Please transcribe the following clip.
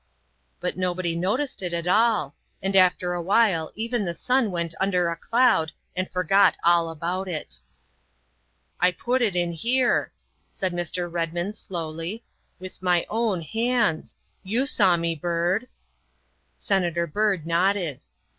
But nobody noticed it at all, and after a while even the sun went under a cloud and forgot all about it. " I put it in here," said Mr. Redmond slowly, " with my own hands. You saw me, Byrd. " Senator Byrd nodded.